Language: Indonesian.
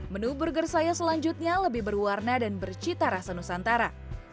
menu burger saya selanjutnya lebih berwarna dan bercita rasa nusantara